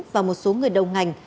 và một số người đồng hành